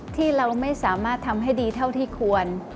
ที่เราไม่สามารถทำให้ดีเท่าที่ควร